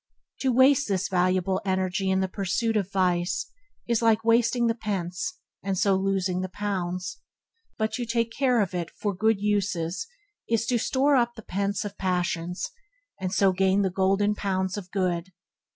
To waste this valuable energy in the pursuit of vice is like wasting the pence, and so losing the pounds, but to take care of it for good uses is to store up the pence of passions, and so gain the golden pounds of good.